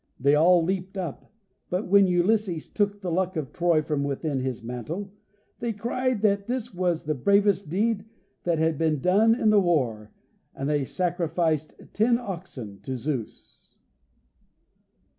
They all leaped up, but when Ulysses took the Luck of Troy from within his mantle, they cried that this was the bravest deed that had been done in the war, and they sacrificed ten oxen to Zeus.